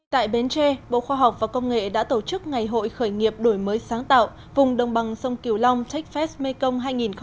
tại bến tre bộ khoa học và công nghệ đã tổ chức ngày hội khởi nghiệp đổi mới sáng tạo vùng đồng bằng sông kiều long techfest mekong hai nghìn một mươi chín